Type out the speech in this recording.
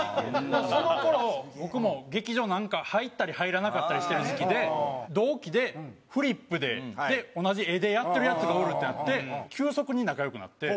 その頃僕も劇場入ったり入らなかったりしてる時期で同期でフリップで同じ絵でやってるヤツがおるってなって急速に仲良くなって。